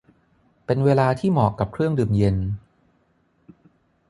เป็นเวลาที่เหมาะกับเครื่องดื่มเย็น